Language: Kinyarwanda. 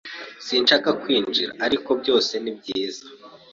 Sinshaka kwinjira, ariko byose ni byiza?